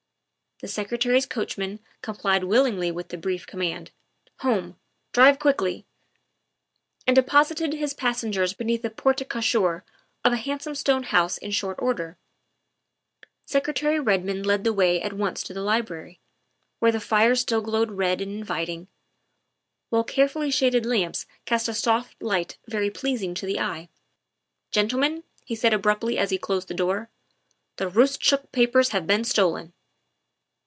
'' The Secretary's coachman complied willingly with the brief command, " Home; drive quickly!" and de posited his passengers beneath the porte cochere of a handsome stone house in short order. Secretary Red mond led the way at once to the library, where the fire still glowed red and inviting, while carefully shaded lamps cast a soft light very pleasing to the eye. 2 18 THE WIFE OF " Gentlemen," he said abruptly as he closed the door, " the Roostchook papers have been stolen."